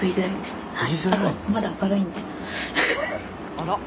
あら？